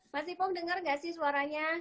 mas ipong dengar gak sih suaranya